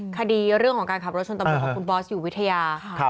คดีเรื่องของการขับรถชนตำรวจของคุณบอสอยู่วิทยาค่ะ